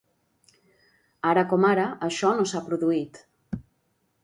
Ara com ara això no s’ha produït.